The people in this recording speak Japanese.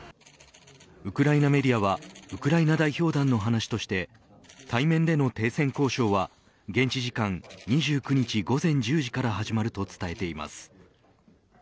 ウクライナメディアはウクライナ代表団の話として対面での停戦交渉は現地時間２９日午前１０時から始まると伝えています。